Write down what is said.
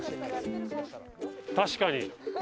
確かに。